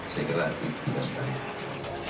saya kira itu juga sebuah hal